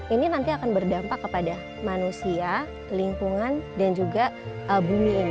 ini nanti akan berdampak kepada manusia lingkungan dan juga bumi ini